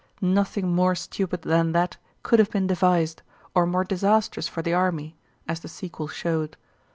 Nothing more stupid than that could have been devised, or more disastrous for the army, as the sequel showed.